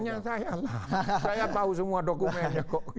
tanya saya lah saya tahu semua dokumennya kok gimana